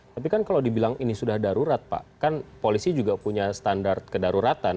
tapi kan kalau dibilang ini sudah darurat pak kan polisi juga punya standar kedaruratan